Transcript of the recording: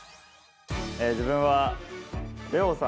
自分は。